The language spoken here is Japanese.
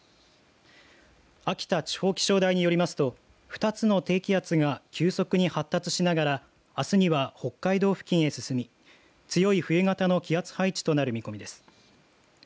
秋田地方気象台によりますと２つの低気圧が急速に発達しながらあすには、北海道付近へ進み強い冬型の気圧配置となる見込みです。